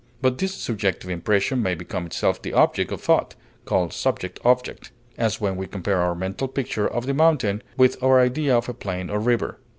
But this subjective impression may become itself the object of thought (called "subject object"), as when we compare our mental picture of the mountain with our idea of a plain or river.